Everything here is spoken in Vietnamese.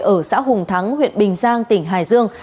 ở xã hùng thắng huyện bình giang tỉnh hải dương